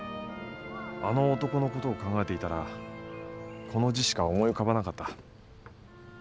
あの男の事を考えていたらこの字しか思い浮かばなかった。